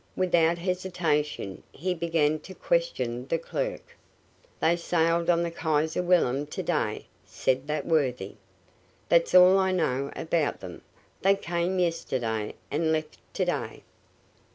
Without hesitation he began to question the clerk. "They sailed on the Kaiser Wilhelm to day;" said that worthy. "That's all I know about them. They came yesterday and left to day."